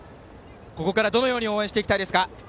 ここからどのように応援していきたいですか？